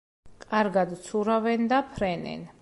კარგად ცურავენ და ფრენენ.